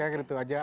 kayak gitu saja